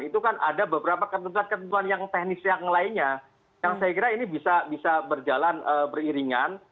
itu kan ada beberapa ketentuan ketentuan yang teknis yang lainnya yang saya kira ini bisa berjalan beriringan